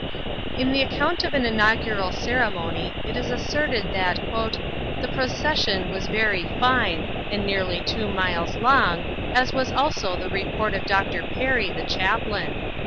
In the account of an inaugural ceremony it was asserted that "the procession was very fine, and nearly two miles long, as was also the report of Dr. Perry, the chaplain."